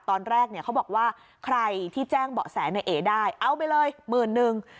ตอนแรกเขาบอกว่าใครที่แจ้งเบาะแสในเอกได้เอาไปเลย๑๐๐๐๐